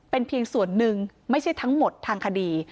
เป็นเพียงส่วนหนึ่งไม่ใช่ทั้งหมดทางคดี